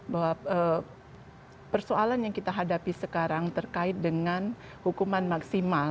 bahwa persoalan yang kita hadapi sekarang terkait dengan hukuman maksimal